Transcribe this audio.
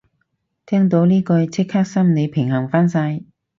聽到呢句即刻心理平衡返晒